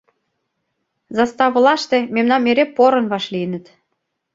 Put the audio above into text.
Заставылаште мемнам эре порын вашлийыныт.